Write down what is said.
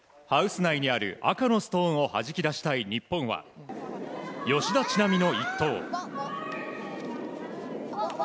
ハウス内にある赤のストーンをはじき出したい日本は、吉田知那美の１投。